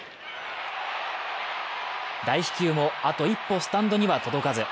大飛球も、あと一歩スタンドには届かず。